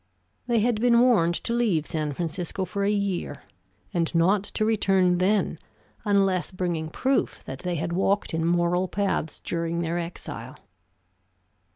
They had been warned to leave San Francisco for a year, and not to return then, unless bringing proof that they had walked in moral paths during their exile.